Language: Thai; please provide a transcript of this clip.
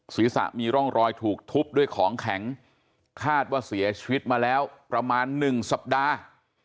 ศีรษะมีร่องรอยถูกทุบด้วยของแข็งคาดว่าเสียชีวิตมาแล้วประมาณ๑สัปดาห์